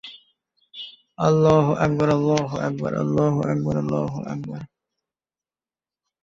প্রবন্ধে বার্কলে চাক্ষুষ দূরত্ব, প্রস্থ, অবস্থান এবং দর্শন এবং স্পর্শের সমস্যাগুলি পরীক্ষা করে।